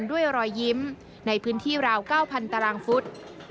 ด้วยรอยยิ้มในพื้นที่ราว๙๐๐ตารางฟุต